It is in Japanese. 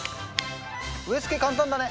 植え付け簡単だね。